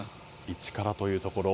一からというところ。